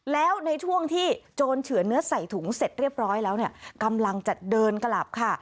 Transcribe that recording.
แล้วในช่วงที่โจรเฉือนเนื้อใส่ถุงเสร็จเรียบร้อยแล้วเนี่ยกำลังจะเดินกลับค่ะ